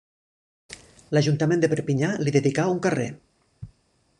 L'ajuntament de Perpinyà li dedicà un carrer.